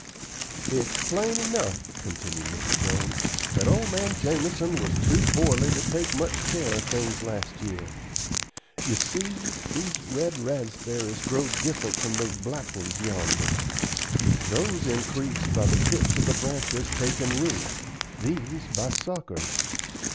"It's plain enough," continued Mr. Jones, "that old man Jamison was too poorly to take much care of things last year. You see, these red raspberries grow different from those black ones yonder. Those increase by the tips of the branches takin' root; these by suckers.